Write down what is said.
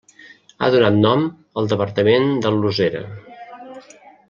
Ha donat nom al departament del Losera.